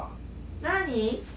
何？